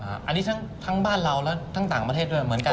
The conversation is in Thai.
อันนี้ทั้งบ้านเราและทั้งต่างประเทศด้วยเหมือนกัน